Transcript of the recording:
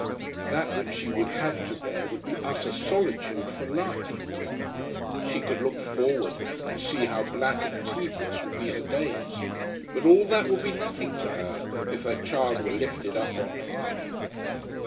That which she would have to bear would be utter solitude for life. She could look forward and see how black and tedious would be her days; but all that would be nothing to her if her child were lifted up on high.